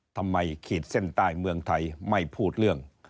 ขีดเส้นใต้เมืองไทยไม่พูดเรื่อง